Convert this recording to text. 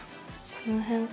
この辺か？